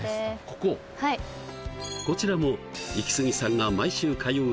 こちらもイキスギさんが毎週通う